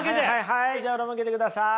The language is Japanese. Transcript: はいじゃあ裏向けてください！